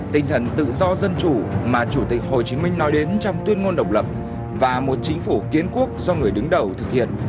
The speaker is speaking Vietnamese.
tinh thần tự do dân chủ mà chủ tịch hồ chí minh nói đến trong tuyên ngôn độc lập và một chính phủ kiến quốc do người đứng đầu thực hiện